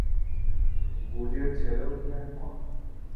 গুজের ছেলেও কি একমত?